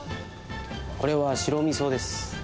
これは白みそです。